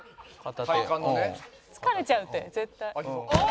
疲れちゃうって絶対。